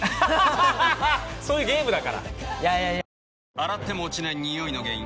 洗っても落ちないニオイの原因